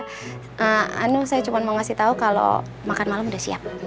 tidak nu saya cuma mau kasih tahu kalau makan malam sudah siap